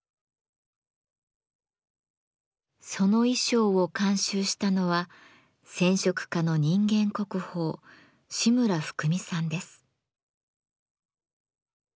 その衣装を監修したのは染織家の人間国宝志村ふくみさんです。